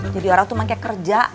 jadi orang tuh pake kerja